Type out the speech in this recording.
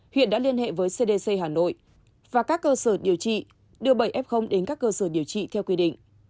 huyện đã liên hệ với cdc hà nội và các cơ sở điều trị đưa bảy f đến các cơ sở điều trị